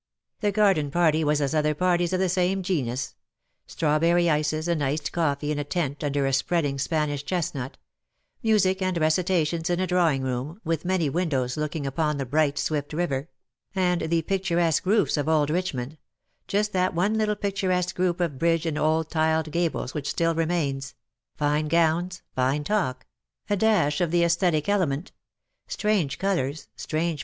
The garden party was as other parties of the same genus : strawberry ices and iced coffee in a tent under a spreading Spanish chestnut — music and recitations in a drawing room, with many windows looking upon the bright swift river — and the picturesque roofs of Old Richmond — ^just that one little picturesque group of bridge and old tiled gables which still remains — fine gowns, fine talk; a dash of the aesthetic element ; strange colours, strange CUPID AND PSYCHE.